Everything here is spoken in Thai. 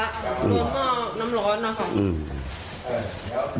โดนเมาเงินอ่ะของ